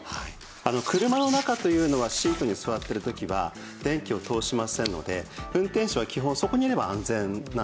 車の中というのはシートに座っている時は電気を通しませんので運転手は基本そこにいれば安全なんですよね。